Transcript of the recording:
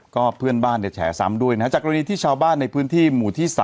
ก็เพื่อนบ้านเนี่ยแฉซ้ำด้วยนะฮะจากกรณีที่ชาวบ้านในพื้นที่หมู่ที่๓